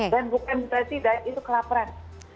dan bukan berarti diet itu kelaparan